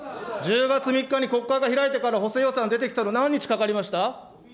１０月３日に国会が開いてから補正予算出てきたの何日かかりました。